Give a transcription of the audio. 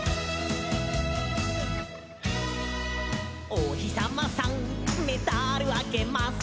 「おひさまさんメダルあげます」